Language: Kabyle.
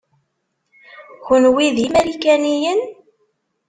Kenwi d imarikaniyen?